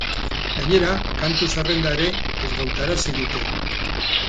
Gainera, kantu-zerrenda ere ezgautarazi dute.